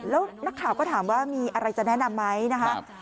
แล้วนักข่าวก็ถามว่ามีอะไรจะแนะนำไหมนะคะ